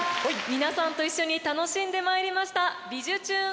皆さんと一緒に楽しんでまいりました「びじゅチューン！